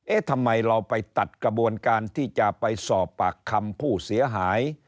ทำไมเราไปตัดกระบวนการที่จะไปสอบปากคำผู้เสียหาย